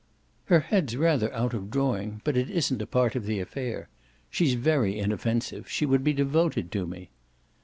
"Her head's rather out of drawing, but it isn't a part of the affair. She's very inoffensive; she would be devoted to me."